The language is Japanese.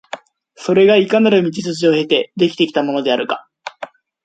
それがいかなる道筋を経て出来てきたものであるか、